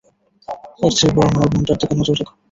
এরচেয়ে বরং আমার বোনটার দিকে নজর রাখো।